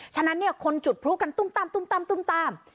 ฉะนั้นเนี่ยคนจุดพลุกันตุ้มตามตุ้มตามตุ้มตาม